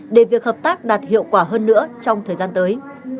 để việc hợp tác đạt hiệu quả hơn nữa trong thời gian tới